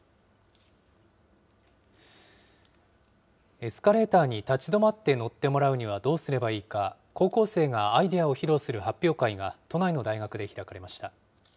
エスカレーターに立ち止まって乗ってもらうにはどうすればいいか、高校生がアイデアを披露する発表会が、都内の大学で開かれました。